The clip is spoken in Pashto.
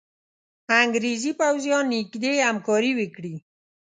انګرېزي پوځیان نیژدې همکاري وکړي.